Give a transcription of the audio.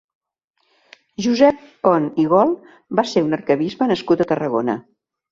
Josep Pont i Gol va ser un arquebisbe nascut a Tarragona.